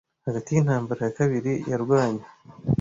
Hagati y'intambara ya kabiri yarwanye